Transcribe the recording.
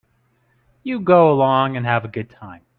You go along and have a good time.